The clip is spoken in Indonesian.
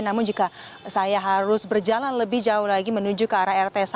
namun jika saya harus berjalan lebih jauh lagi menuju ke arah rt satu